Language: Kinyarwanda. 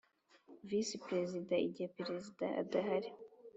Visi Perezida igihe Perezida adahari